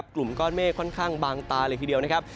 กลุ่มก้อนเมฆค่อนข้างบางตาเลยทีเดียวนะครับ